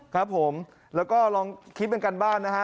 ครับผมแล้วก็ลองคิดเป็นการบ้านนะฮะ